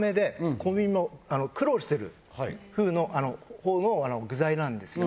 コンビニも苦労してるほうの具材なんですよ。